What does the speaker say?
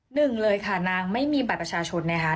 หนึ่งเลยค่ะนางไม่มีบัตรประชาชนนะคะ